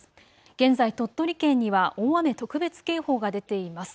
現在、鳥取県には大雨特別警報が出ています。